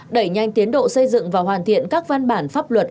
đẩy nhanh tiến độ xây dựng và hoàn thiện các văn bản pháp luật